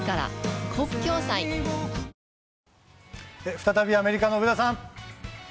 再びアメリカの上田さん。